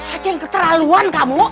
acek keterlaluan kamu